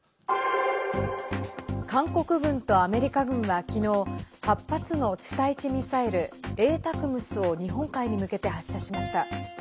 韓国軍とアメリカ軍は、きのう８発の地対地ミサイル「ＡＴＡＣＭＳ」を日本海に向けて発射しました。